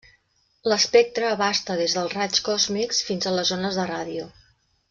L'espectre abasta des dels raigs còsmics fins a les ones de ràdio.